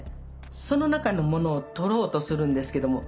その中のものを取ろうとするんですけども